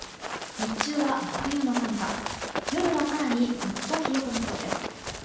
日中は真冬の寒さ、夜は更にぐっと冷え込みそうです。